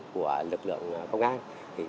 của lực lượng công an